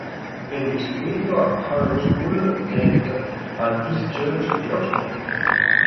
Venne istruito a Harrow School ed al Christ Church di Oxford.